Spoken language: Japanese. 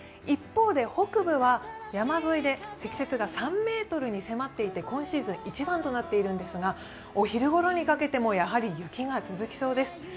一方で北部は山沿いで積雪が３ｍに迫っていて、今シーズン一番となっているんですが、お昼ごろにかけても、やはり雪が続きそうです。